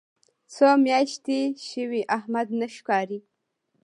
څو میاشتې شوې احمد نه ښکاري.